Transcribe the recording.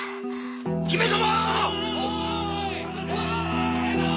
姫様！